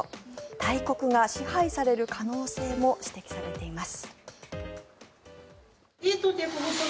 大国が支配される可能性も指摘されています。